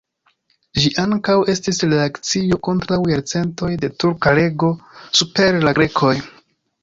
Ĝi ankaŭ estis reakcio kontraŭ jarcentoj de turka rego super la grekoj.